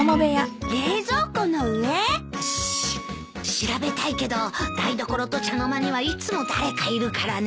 調べたいけど台所と茶の間にはいつも誰かいるからね。